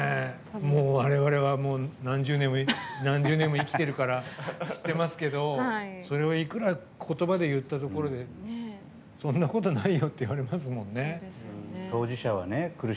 我々はもう何十年も生きているから知ってますけどそれをいくら言葉で言ったところでそんなことないよって言いますもんね。